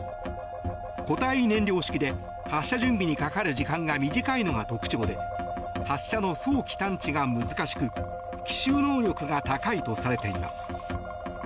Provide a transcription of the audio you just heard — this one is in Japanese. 固体燃料式で、発射準備にかかる時間が短いのが特徴で発射の早期探知が難しく奇襲能力が高いとされています。